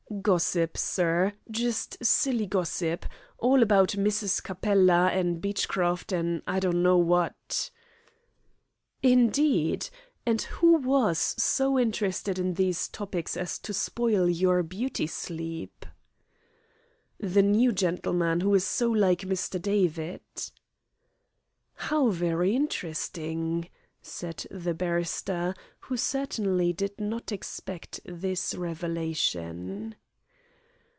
"Gossip, sir just silly gossip. All about Mrs. Capella, an' Beechcroft, an' I don't know wot" "Indeed, and who was so interested in these topics as to spoil your beauty sleep?" "The new gentleman, who is so like Mr. David." "How very interesting," said the barrister, who certainly did not expect this revelation.